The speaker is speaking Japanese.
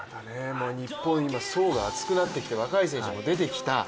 日本、今層が厚くなってきていて若い選手も出てきた。